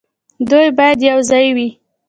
دوی باید یوځای وي.